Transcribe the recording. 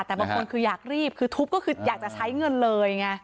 แต่บางคนอยากรีบทุบก็อยากจะใช้เงินเลย